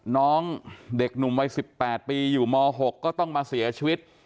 น้องเด็กหนุ่มวัย๑๘ปีอยู่ม๖ก็ต้องมาเสียชีวิต